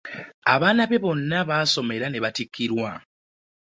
Abaana be bonna basoma era n'ebatikkirwa